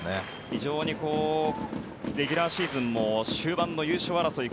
非常にレギュラーシーズンも終盤の優勝争い